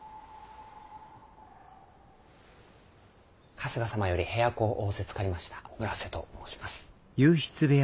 春日様より部屋子を仰せつかりました村瀬と申します。